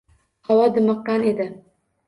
Havo dimiqqan edi